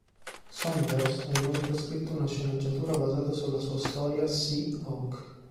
Saunders ha inoltre scritto una sceneggiatura basata sulla sua storia "Sea Oak".